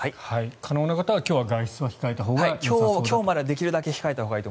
可能な方は今日は外出は控えたほうがよさそうと。